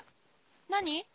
何？